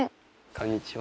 こんにちは。